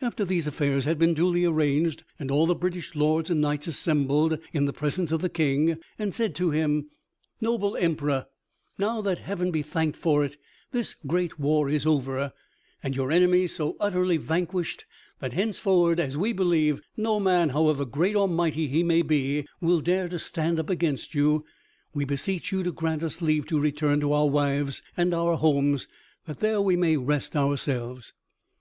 After these affairs had been duly arranged, all the British lords and knights assembled in the presence of the King, and said to him: "Noble Emperor, now that, Heaven be thanked for it, this great war is over, and your enemies so utterly vanquished that henceforward, as we believe, no man, however great or mighty he may be, will dare to stand up against you, we beseech you to grant us leave to return to our wives and our homes, that there we may rest ourselves."